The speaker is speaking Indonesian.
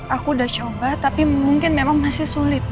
aku udah coba tapi mungkin memang masih sulit